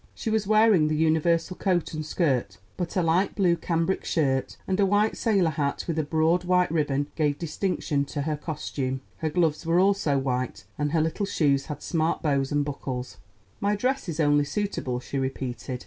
She was wearing the universal coat and skirt; but a light blue cambric shirt and a white sailor hat with a broad white ribbon gave distinction to her costume. Her gloves were also white, and her little shoes had smart bows and buckles. "My dress is only suitable," she repeated.